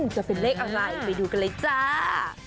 จะเป็นเลขอะไรไปดูกันเลยจ้า